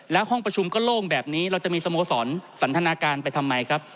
แล้วห้องประชุมก็โล่งแบบนี้เราจะมีสโมสรสันทนาการไปทำไมครับ